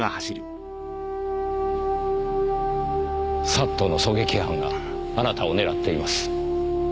ＳＡＴの狙撃班があなたを狙っています。